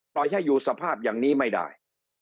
ปล่อยให้อยู่สภาพอย่างนี้ไม่ได้